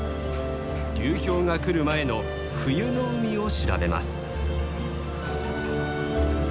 流氷が来る前の冬の海を調べます。